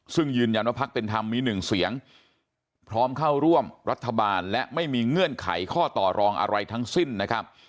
ซึ่งยืนยันว่าพักเป็นธรรมมีหนึ่งเสียงพร้อมเข้าร่วมรัฐบาลและไม่มีเงื่อนไขข้อต่อรองอะไรทั้งสิ้นนะครับ